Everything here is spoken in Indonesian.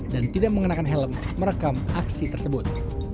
dan tidak mengenakan helm merekam aksi tersebut